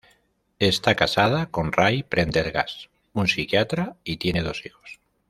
Está casada con Ray Prendergast, un psiquiatra, y tienen dos hijos.